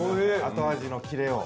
◆後味のキレを。